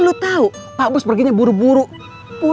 siapa yang kembali ke pressure ground ini